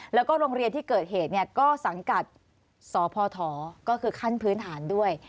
แล้วก็โรงเรียนที่เกิดเหตุก็สังกัดสพก็คือขั้นพื้นฐานด้วย